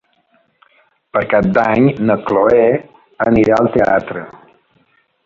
Per Cap d'Any na Chloé anirà al teatre.